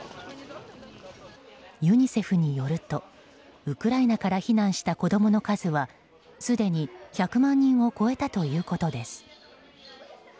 ユニセフによるとウクライナから避難した子供の数はすでに１００万人を超えたということです。